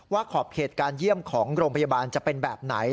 ขอบเขตการเยี่ยมของโรงพยาบาลจะเป็นแบบไหน